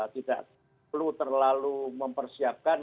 tidak perlu terlalu mempersiapkan